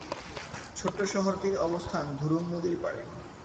ছোট্ট শহরটির অবস্থান ধুরুং নদীর পাড়ে।